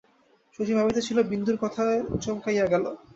শশী ভাবিতেছিল, বিন্দুর কথায় চমকাইয়া গেল।